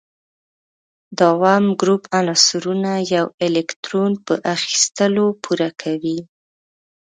د اووم ګروپ عنصرونه یو الکترون په اخیستلو پوره کوي.